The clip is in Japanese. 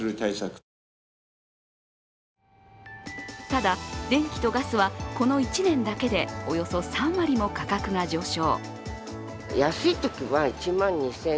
ただ、電気とガスはこの１年だけでおよそ３割も価格が上昇。